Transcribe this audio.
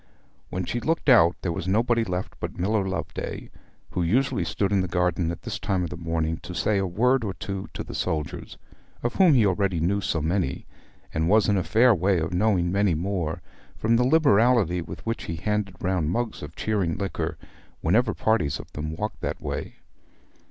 When she looked out there was nobody left but Miller Loveday, who usually stood in the garden at this time of the morning to say a word or two to the soldiers, of whom he already knew so many, and was in a fair way of knowing many more, from the liberality with which he handed round mugs of cheering liquor whenever parties of them walked that way.